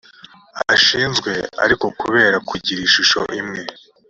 ashinzwe ariko kubera kugira ishusho imwe